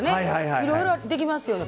いろいろできますよね。